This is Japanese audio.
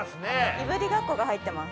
いぶりがっこが入ってます。